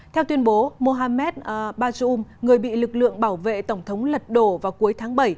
theo tuyên bố mohamed bazoum người bị lực lượng bảo vệ tổng thống lật đổ vào cuối tháng bảy